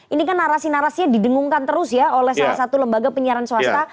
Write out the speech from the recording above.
ini kan narasi narasinya didengungkan terus ya oleh salah satu lembaga penyiaran swasta